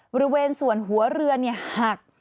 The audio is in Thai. บริเวณส่วนหัวเรือหัก